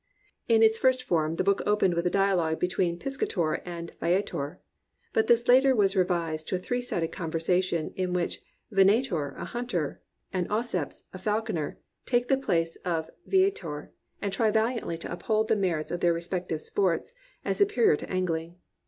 In its first form the book opened with a dialogue between Piscator and Viator; but later this was re vised to a three sided conversation in which Vena tor, a hunter, and Auceps, a falconer, take the place of Viator and try valiantly to uphold the merits of their respective sports as superior to angling.